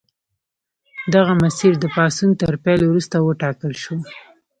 دغه مسیر د پاڅون تر پیل وروسته وټاکل شو.